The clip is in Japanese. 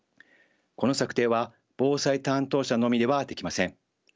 この策定は防災担当者のみではできません。